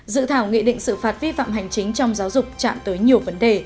dự thảo nghị định xử phạt vi phạm hành chính trong giáo dục chạm tới nhiều vấn đề